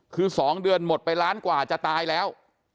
คือ๒เดือนหมดไปล้านกว่าจะตายแล้ว